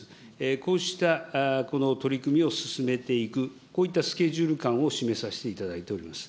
こうした、この取り組みを進めていく、こういったスケジュール感を示させていただいております。